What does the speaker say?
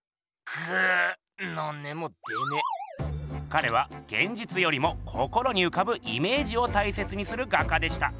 かれはげんじつよりも心にうかぶイメージを大切にする画家でした。